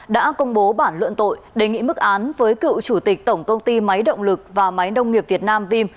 đã công bố bản luận tội đề nghị mức án với cựu chủ tịch tổng công ty máy động lực và máy nông nghiệp việt nam vim